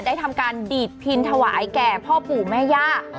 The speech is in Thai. ทำการดีดพินถวายแก่พ่อปู่แม่ย่า